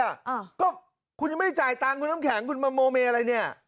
อ่าก็คุณยังไม่ได้จ่ายตังค์คุณน้ำแข็งคุณมาโมเมอะไรเนี่ย